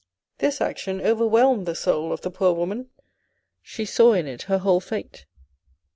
This action over whelmed the soul of the poor woman. She saw in it her whole fate.